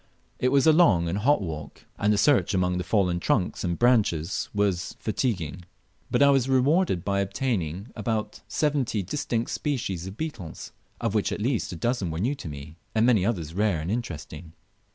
It was a long and hot walk, and the search among the fallen trunks and branches was very fatiguing, but I was rewarded by obtaining about seventy distinct species of beetles, of which at least a dozen were new to me, and many others rare and interesting.